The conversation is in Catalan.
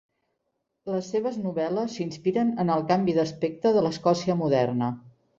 Les seves novel·les s'inspiren en el canvi d'aspecte de l'Escòcia moderna.